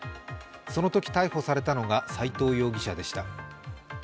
そのとき逮捕されたのが斎藤容疑者でした。